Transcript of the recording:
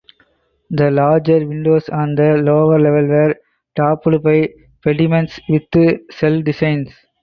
The larger windows on the lower level were topped by pediments with shell design.